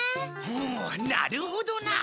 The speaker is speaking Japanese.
おおなるほどな。